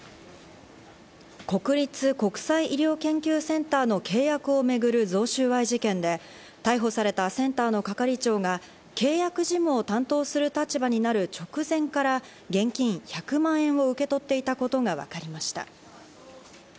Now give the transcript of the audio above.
国立国際医療研究センターの契約を巡る贈収賄事件で、逮捕されたセンターの係長が、契約事務を担当する立場になる直前から、現金１００万円を受け取っていたことがわかりました。